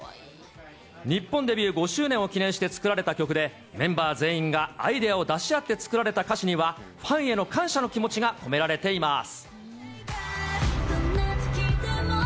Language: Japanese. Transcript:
日本デビュー５周年を記念して作られた曲で、メンバー全員がアイデアを出し合って作られた歌詞には、ファンへの感謝の気持ちが込められています。